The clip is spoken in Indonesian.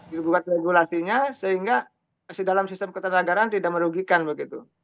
dibuat regulasinya sehingga dalam sistem ketatanegaraan tidak merugikan begitu